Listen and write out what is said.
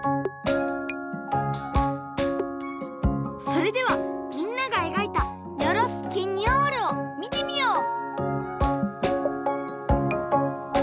それではみんながえがいたニョロス・ケニョールをみてみよう！